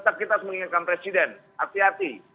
tetap kita harus mengingatkan presiden hati hati